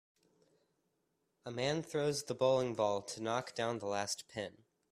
A man throws the bowling ball to knock down the last pin